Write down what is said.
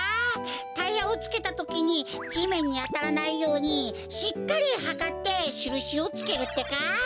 タイヤをつけたときにじめんにあたらないようにしっかりはかってしるしをつけるってか。